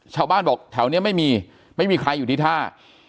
ชาวบ้านบอกแถวนี้ไม่มีไม่มีใครอยู่ที่ท่า